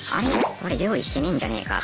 これ料理してねえんじゃねえか？とか。